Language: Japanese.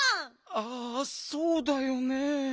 ああそうだよねえ。